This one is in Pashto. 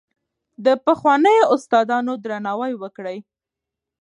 د پخوانیو استادانو درناوی وکړئ.